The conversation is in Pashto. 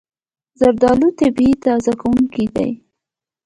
زردالو طبیعي تازه کوونکی دی.